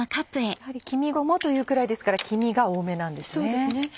やはり黄身衣というくらいですから黄身が多めなんですね。